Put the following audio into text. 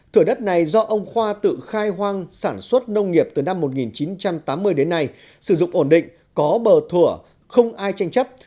thửa đất này do ông khoa tự khai hoang sản xuất nông nghiệp từ năm một nghìn chín trăm tám mươi đến nay sử dụng ổn định có bờ thủa không ai tranh chấp